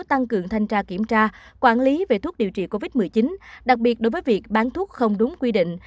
tăng cường thanh tra kiểm tra quản lý về thuốc điều trị covid một mươi chín đặc biệt đối với việc bán thuốc không đúng quy định